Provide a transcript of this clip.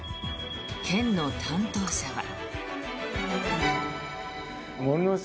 県の担当者は。